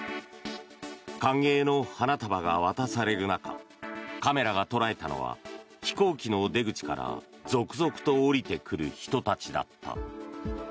歓迎の花束が渡される中カメラが捉えたのは飛行機の出口から続々と降りてくる人たちだった。